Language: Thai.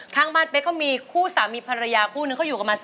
ข้างบ้านเป๊กก็มีคู่สามีภรรยาคู่นึงเขาอยู่กันมา